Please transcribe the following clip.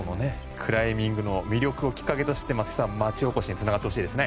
クライミングの魅力をきっかけとして松木さん、町おこしにつながってほしいですね。